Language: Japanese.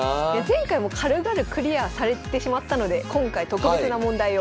前回も軽々クリアされてしまったので今回特別な問題をご用意しました。